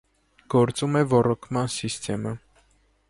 Գործում է ոռոգման սիստեմա։